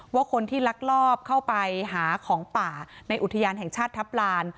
ว่าคนที่ลักลอบเข้าไปหาของป่าในอุทยานแห่งชาติทัพลาน